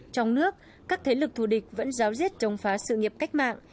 trong nước các thế lực thù địch vẫn giáo diết chống phá sự nghiệp cách mạng